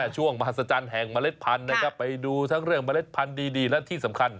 ช่วงมหัศจรรย์แห่งเมล็ดพันธุ์นะครับไปดูทั้งเรื่องเมล็ดพันธุ์ดีและที่สำคัญ